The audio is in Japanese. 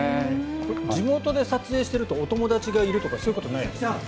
地元で撮影しているとお友達がいるとかそういうことはないんですか？